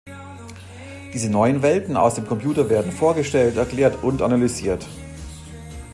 Diese neuen Welten aus dem Computer werden vorgestellt, erklärt und analysiert.